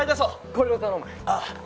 これを頼むあ